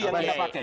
yang anda pakai